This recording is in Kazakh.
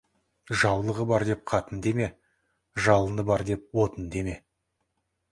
Жаулығы бар деп, қатын деме, жалыны бар деп, отын деме.